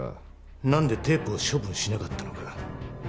なんでテープを処分しなかったのか。